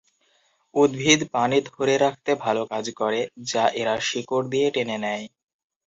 উদ্ভিদ পানি ধরে রাখতে ভাল কাজ করে, যা এরা শিকড় দিয়ে টেনে নেয়।